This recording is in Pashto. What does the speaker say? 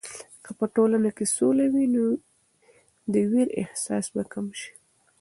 که په ټولنه کې سوله وي، نو د ویر احساس به کم شي.